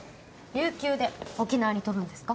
有給で沖縄に飛ぶんですか？